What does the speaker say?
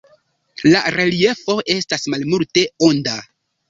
La reliefo estas malmulte onda.